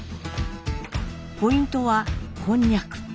ポイントはこんにゃく。